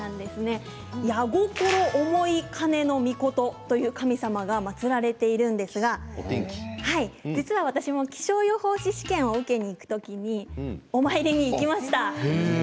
八意思兼命（やごころおもいかねのみこと）という神様が祭られているんですけれど私も気象予報士試験を受けていくときにお参りに行きました。